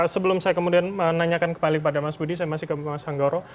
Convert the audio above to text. sebelum saya kemudian menanyakan kembali kepada mas budi saya masih ke bang mas anggoro